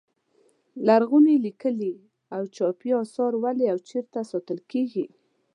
لرغوني لیکلي او چاپي اثار ولې او چیرې ساتل کیږي.